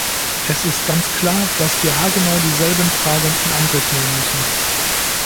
Es ist ganz klar, dass wir haargenau dieselben Fragen in Angriff nehmen müssen.